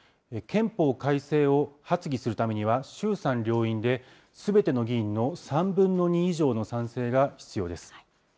憲法改正を発議するためには、衆参両院ですべての議員の３分の２以上の賛成が必要です。